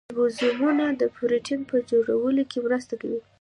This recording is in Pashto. رایبوزومونه د پروټین په جوړولو کې مرسته کوي